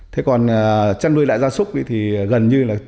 thế còn chăn nuôi đại da súc thì gần như là